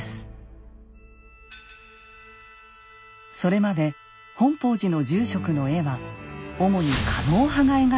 それまで本法寺の住職の絵は主に狩野派が描いていました。